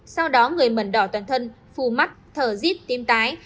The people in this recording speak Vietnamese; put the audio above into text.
sau đó người mẩn đỏ toàn thân phù mắt thở dít tim tái